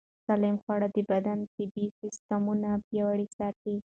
سالم خواړه د بدن طبیعي سیستمونه پیاوړي ساتي.